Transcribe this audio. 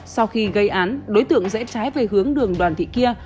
sau khi gây án đối tượng rẽ trái về hướng đường đoàn thị kia